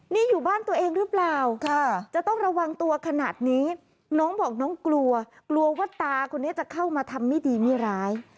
นี่อยู่บ้านตัวเองหรือเปล่าจะต้องระวังตัวขนาดนี้น้องบอกน้องกลัวกลัวว่าตาคนนี้จะเข้ามาทำไม่ดีไม่ร้าย